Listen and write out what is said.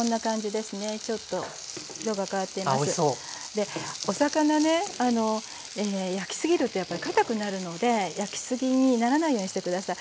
でお魚ね焼きすぎるとやっぱりかたくなるので焼きすぎにならないようにして下さい。